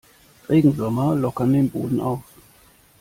Regenwürmer lockern den Boden auf.